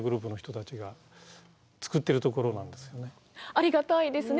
ありがたいですね。